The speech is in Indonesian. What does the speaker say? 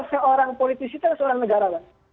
seorang politisi itu adalah seorang negarawan